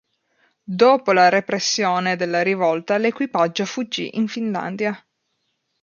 Dopo la repressione della rivolta l'equipaggio fuggì in Finlandia.